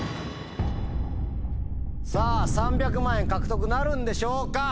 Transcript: さぁ３００万円獲得なるんでしょうか？